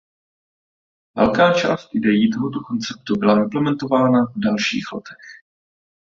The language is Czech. Velká část idejí toho konceptu byla implementována v dalších letech.